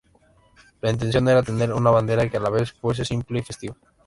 La intención era tener una bandera que a la vez fuese simple y festiva.